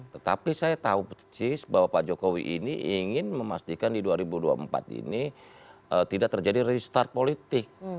tetapi saya tahu persis bahwa pak jokowi ini ingin memastikan di dua ribu dua puluh empat ini tidak terjadi restart politik